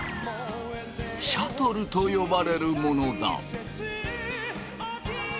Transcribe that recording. シャトルと呼ばれるものだ。